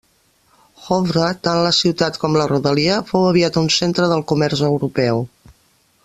Howrah, tant la ciutat com la rodalia, fou aviat un centre del comerç europeu.